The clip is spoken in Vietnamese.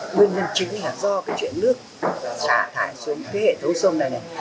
nguyên nhân chính là do cái chuyện nước trả thải xuống cái hệ thống sông này này